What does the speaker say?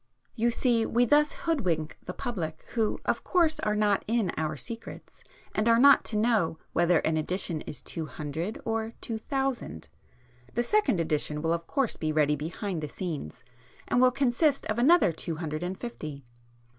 You see we thus hoodwink the public, who of course are not in our secrets, and are not to know whether an edition is two hundred or two thousand. The Second Edition will of course be ready behind the scenes, and will consist of another two hundred and fifty."